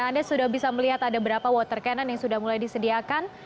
anda sudah bisa melihat ada berapa water cannon yang sudah mulai disediakan